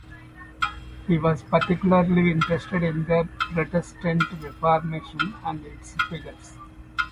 He was particularly interested in the Protestant Reformation and its figures.